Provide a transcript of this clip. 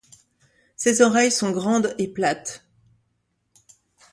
Ses oreilles sont grandes et plates.